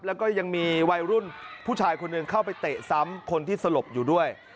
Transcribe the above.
แล้วก็ยังมีวัยรุ่นผู้ชายคนหนึ่งเข้าไปเตะซ้ำคนที่สลบอยู่ด้วย